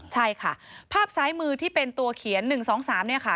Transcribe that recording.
ใช่ค่ะภาพซ้ายมือที่เป็นตัวเขียน๑๒๓เนี่ยค่ะ